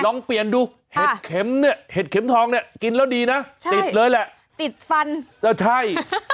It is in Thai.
ลองเปลี่ยนดูเห็ดเข็มเนี่ยเห็ดเข็มทองเนี่ยกินแล้วดีนะใช่ติดเลยแหละติดฟันแล้วใช่